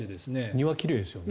庭、奇麗ですよね。